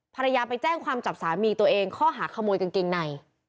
ภรรยาไปแจ้งความจับสามีตัวเองข้อหาขโมยกางเกงใน